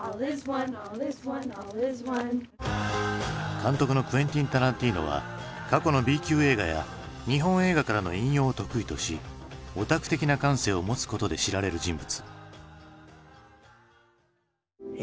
監督のクエンティン・タランティーノは過去のＢ級映画や日本映画からの引用を得意としオタク的な感性を持つことで知られる人物。